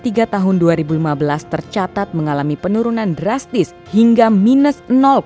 pertumbuhan ekonomi ke tiga tahun dua ribu lima belas tercatat mengalami penurunan drastis hingga minus empat puluh satu